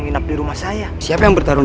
ombak berbasis perang